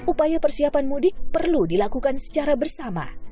upaya persiapan mudik perlu dilakukan secara bersama